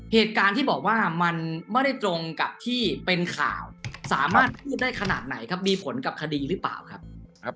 เหตุการณ์ที่บอกว่ามันไม่ได้ตรงกับที่เป็นข่าวสามารถพูดได้ขนาดไหนครับมีผลกับคดีหรือเปล่าครับ